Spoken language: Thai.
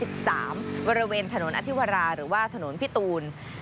บริเวณถนนอธิวราหรือว่าถนนพี่ตูน